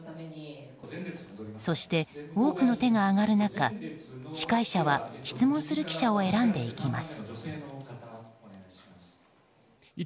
そして、多くの手が挙がる中司会者は質問する記者を選んでいきます。